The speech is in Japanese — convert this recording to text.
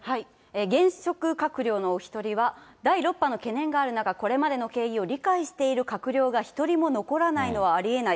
現職閣僚のお１人は、第６波の懸念がある中、これまでの経緯を理解している閣僚が１人も残らないのはありえない。